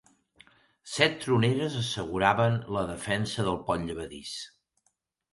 Set troneres asseguraven la defensa del pont llevadís.